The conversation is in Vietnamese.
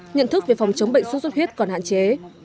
nhận thức về phòng chống bệnh sốt xuất huyết còn hạn chế